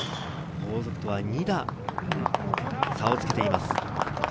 後続とは２打差をつけています。